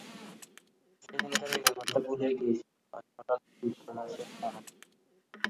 সেদিনকার এই ব্যাপারটা ভুলেই গিয়েছিল, আজ হঠাৎ বিপ্রদাসের মনে পড়ল।